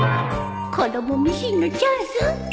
子どもミシンのチャンス！